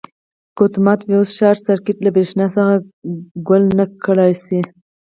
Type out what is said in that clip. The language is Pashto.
که اتومات فیوز شارټ سرکټ له برېښنا څخه ګل نه کړای شي.